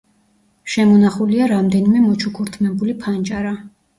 შემონახულია რამდენიმე მოჩუქურთმებული ფანჯარა.